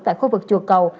tại khu vực chùa cầu